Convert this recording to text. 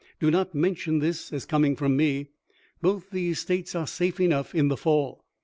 Do not mention this as coming from me. Both these States are safe enough in the fall."